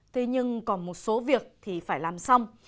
thế nhưng còn một số việc thì phải làm xong